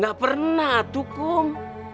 gak pernah tuh kum